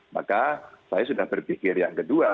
maka saya sudah berpikir yang kedua